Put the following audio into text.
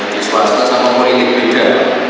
biswasta sama politik beda